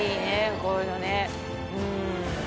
こういうのねうん。